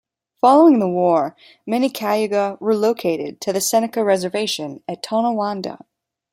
Following the war, many Cayuga relocated to the Seneca reservation at Tonawanda.